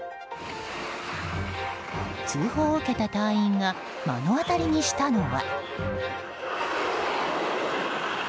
通報を受けた隊員が目の当たりにしたのは。